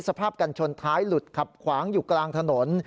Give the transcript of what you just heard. สภาพกันชนท้ายหลุดขับขวางอยู่กลางถนน